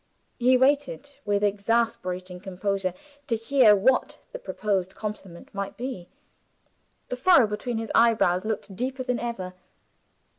He waited, with exasperating composure, to hear what the proposed compliment might be. The furrow between his eyebrows looked deeper than ever.